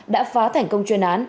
đã phá thành công chuyên án